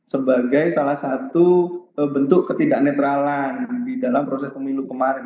sebagai salah satu bentuk ketidak netralan di dalam proses pemilu kemarin